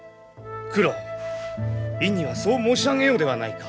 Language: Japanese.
九郎院にはそう申し上げようではないか。